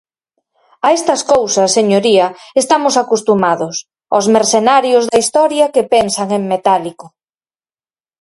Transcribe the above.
A estas cousas, señoría, estamos acostumados, aos mercenarios da historia que pensan en metálico.